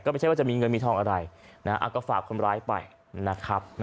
ไม่ใช่ว่าจะมีเงินมีทองอะไรก็ฝากคนร้ายไปนะครับ